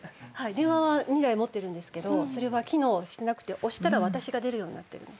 電話は２台持ってますがそれは機能してなくて押したら私が出るようになってるんです。